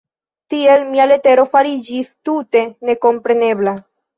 Tiel mia letero fariĝis tute nekomprenebla.